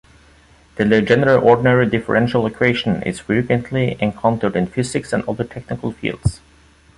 The Legendre ordinary differential equation is frequently encountered in physics and other technical fields.